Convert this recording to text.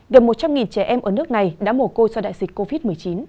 gần một trăm linh trẻ em ở nước này đã mồ côi do đại dịch covid một mươi chín